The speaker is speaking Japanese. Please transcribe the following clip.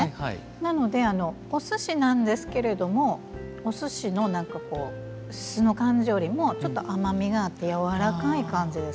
なのでお寿司なんですけれどもお寿司の何かこう酢の感じよりもちょっと甘みがあってやわらかい感じです。